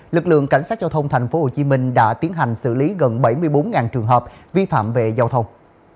lực lượng cảnh sát giao thông tp hcm đã tiến hành xử lý gần bảy mươi bốn trường hợp vi phạm về giao thông